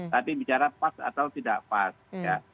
tapi bicara pas atau tidak pas ya